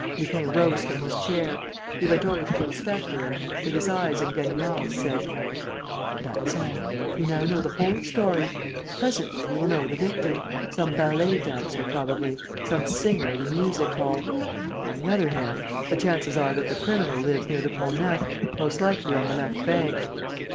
Lupin rose from his chair. He went over to the inspector and, with his eyes in Ganimard's, said: "That's all. You now know the whole story. Presently, you will know the victim: some ballet dancer, probably, some singer at a music hall. On the other hand, the chances are that the criminal lives near the Pont Neuf, most likely on the left bank.